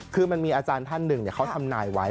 คือมันมีอาจารย์ท่านหนึ่งเขาทำนายไว้